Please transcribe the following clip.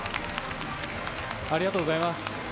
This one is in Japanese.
ありがとうございます。